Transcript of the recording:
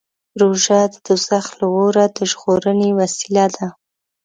روژه د دوزخ له اوره د ژغورنې وسیله ده.